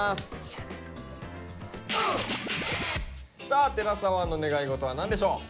さあ寺澤の願いごとは何でしょう？